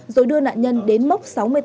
rồi đưa nạn nhân đến mốc sáu mươi tám